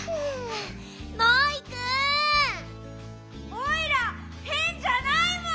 おいらへんじゃないもん！